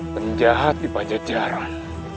penjahat di pajajaran